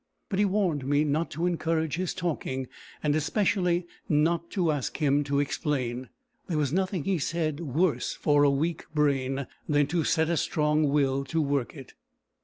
But he warned me not to encourage his talking, and especially not to ask him to explain. There was nothing, he said, worse for a weak brain, than to set a strong will to work it.